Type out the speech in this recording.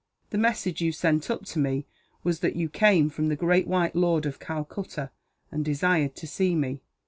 The message you sent up to me was that you came from the great white lord of Calcutta, and desired to see me.